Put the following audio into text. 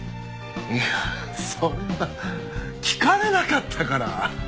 いやそれは聞かれなかったから。